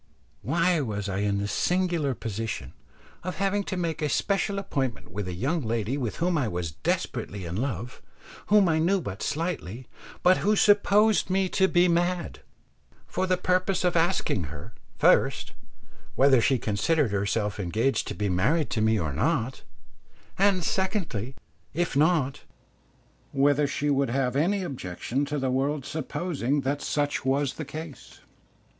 Why was I in the singular position of having to make a special appointment with a young lady with whom I was desperately in love, whom I knew but slightly, but who supposed me to be mad, for the purpose of asking her, first, whether she considered herself engaged to be married to me or not; and secondly, if not, whether she would have any objection to the world supposing that such was the case?